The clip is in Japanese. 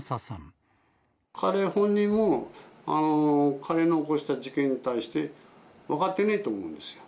彼本人も、彼の起こした事件に対して、分かってねえと思うんですよ。